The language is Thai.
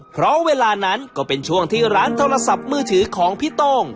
เพราะเวลานั้นก็เป็นช่วงที่ร้านโทรศัพท์มือถือของพี่โต้ง